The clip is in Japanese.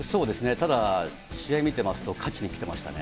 ただ、試合見てますと、勝ちにきてましたね。